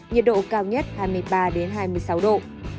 nhiệt độ cao nhất hai mươi ba hai mươi sáu độ